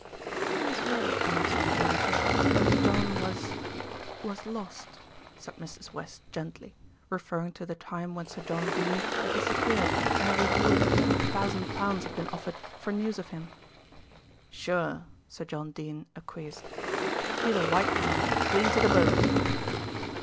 "He was very kind to you, Dorothy, when John was was lost," said Mrs. West gently, referring to the time when Sir John Dene had disappeared and a reward of 20,000 pounds had been offered for news of him. "Sure!" Sir John Dene acquiesced. "He's a white man, clean to the bone."